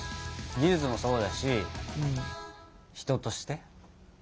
技術もそうだし人として？